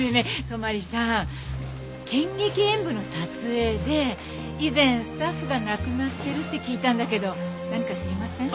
泊さん『剣戟炎武』の撮影で以前スタッフが亡くなってるって聞いたんだけど何か知りません？